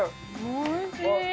おいしい！